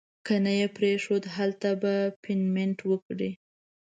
که نه یې پرېښود هلته به پیمنټ وکړي.